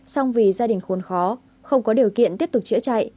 xong vì gia đình khốn khó không có điều kiện tiếp tục chữa trị